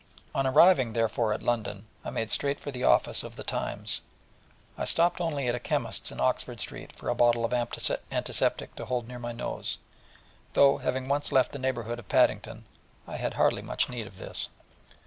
On arriving, therefore, at London, I made straight for the office of the Times, only stopping at a chemist's in Oxford Street for a bottle of antiseptic to hold near my nose, though, having once left the neighbourhood of Paddington, I had hardly much need of this.